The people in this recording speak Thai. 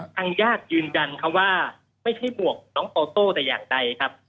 ทางญาติยืนยันว่าไม่ใช่บวกน้องโตโต้แต่อย่างใดครับ